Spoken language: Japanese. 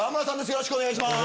よろしくお願いします。